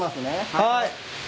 はい。